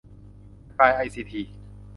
สกาย ไอซีที